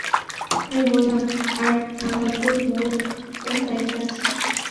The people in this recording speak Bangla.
আমি বললাম, আর মালাকুল মউত কোন দায়িত্বে আছেন?